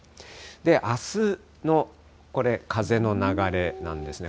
あすのこれ、風の流れなんですね。